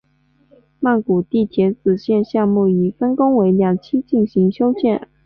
曼谷地铁紫线项目已分工为两期进行修建。